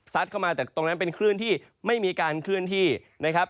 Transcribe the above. เข้ามาแต่ตรงนั้นเป็นคลื่นที่ไม่มีการเคลื่อนที่นะครับ